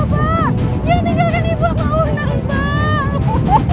jangan tinggalkan ibu pak unang pak